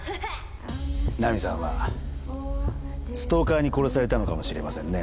ナミさんはストーカーに殺されたのかもしれませんね。